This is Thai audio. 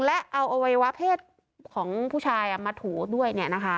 และเอาอวัยวะเพศของผู้ชายมาถูด้วย